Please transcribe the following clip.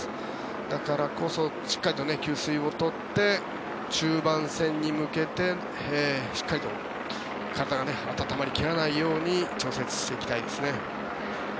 だからこそしっかりと給水を取って中盤戦に向けて、しっかりと体が温まり切らないように調整していきたいですね。